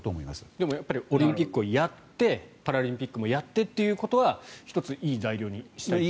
でもオリンピックをやってパラリンピックもやってということは１つ、いい材料にしたいと。